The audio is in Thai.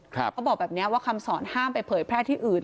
เขาบอกแบบนี้ว่าคำสอนห้ามไปเผยแพร่ที่อื่น